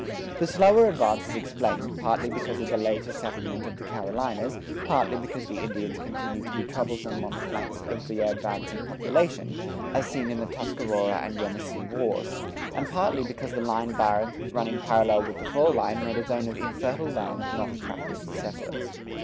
[95:1] The slower advance is explained, partly because of the later settlement of the Carolinas, partly because the Indians continued to be troublesome on the flanks of the advancing population, as seen in the Tuscarora and Yemassee wars, and partly because the pine barrens running parallel with the fall line made a zone of infertile land not attractive to settlers.